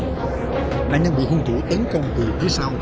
nạn nhân bị hung thủ tấn công từ phía sau